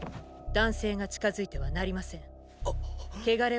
男性が近づいてはなりません。